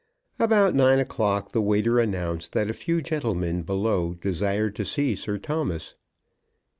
About nine o'clock the waiter announced that a few gentlemen below desired to see Sir Thomas.